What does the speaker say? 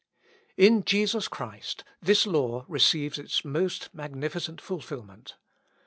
In Jesus Christ this law receives its most magnificent fulfilment.